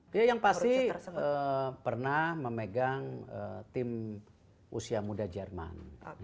dia yang pasti pernah memegang tim usia muda jerman